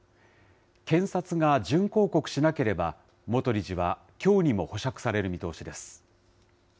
検察が準抗告しなければ、元理事はきょうにも保釈される見通しです。